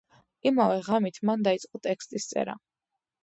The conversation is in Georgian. იმავე ღამით მან დაიწყო ტექსტის წერა.